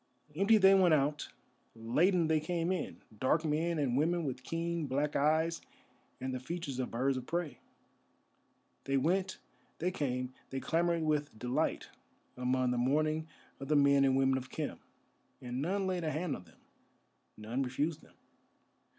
Empty they went out, laden they came in, dark men and women with keen black eyes and the features of birds of prey. They went, they came, they clamoured with delight among the mourning of the men and women of Khem, and none laid a hand on them, none refused them.